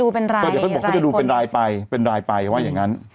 เดี๋ยวเขาจะดูเป็นรายไปว่าอย่างนั้น